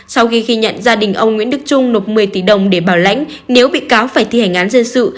sau khi ghi nhận gia đình ông nguyễn đức trung nộp một mươi tỷ đồng để bảo lãnh nếu bị cáo phải thi hành án dân sự